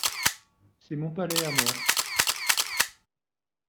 C'est mon palais à moi.